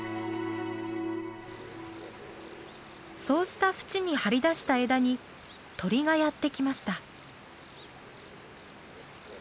そうした淵に張り出した枝に鳥がやって来ました。